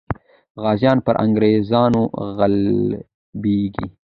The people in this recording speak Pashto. غازیان پر انګریزانو غالبېږي.